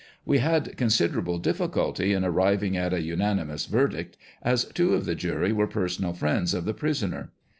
"We had considerable difficulty in arriving at a unanimous verdict, as two of the jury were personal friends of the prisoner.